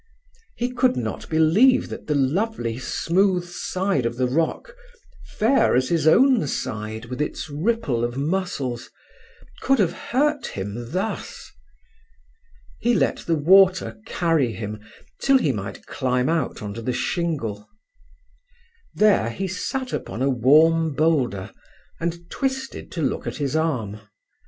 He could not believe that the lovely, smooth side of the rock, fair as his own side with its ripple of muscles, could have hurt him thus. He let the water carry him till he might climb out on to the shingle. There he sat upon a warm boulder, and twisted to look at his arm.